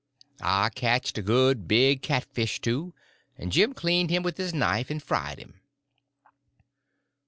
I catched a good big catfish, too, and Jim cleaned him with his knife, and fried him.